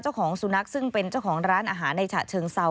เจ้าของสุนัขซึ่งเป็นเจ้าของร้านอาหารในฉะเชิงเซา